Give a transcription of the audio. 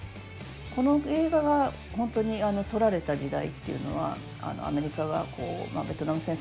この映画が本当に撮られた時代っていうのはアメリカがベトナム戦争